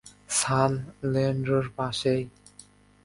সান লেন্ড্রোর পাশেই।